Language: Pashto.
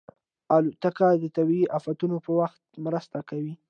الوتکه د طبیعي افتونو په وخت مرسته کوي.